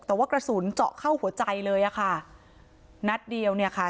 แต่ว่ากระสุนเจาะเข้าหัวใจเลยอ่ะค่ะนัดเดียวเนี่ยค่ะ